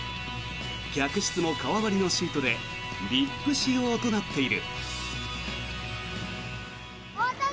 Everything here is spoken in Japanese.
客室も革張りのシートでＶＩＰ仕様となっている。